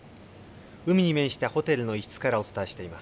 海に面したホテルの一室からお伝えしています。